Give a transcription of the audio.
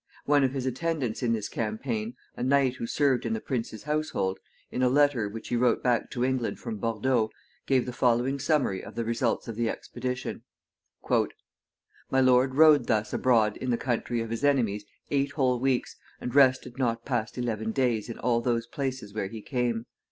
One of his attendants in this campaign, a knight who served in the prince's household, in a letter which he wrote back to England from Bordeaux, gave the following summary of the results of the expedition: "=My lord rode thus abroad in the countrie of his enimies eight whole weekes and rested not past eleven daies in all those places where he came.